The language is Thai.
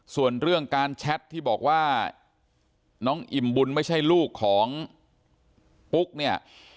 ส่วนเรื่องการแชทที่บอกว่าน้องอิ่มบุญไม่ใช่ลูกของปุ๊กเนี่ย